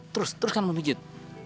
terus teruskan memijut